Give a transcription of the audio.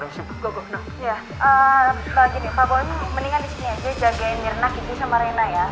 enggak enggak ya ah lagi di pagu ini mendingan di sini aja jagain mirna kiri sama rena ya